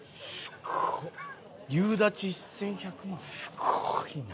すごいな。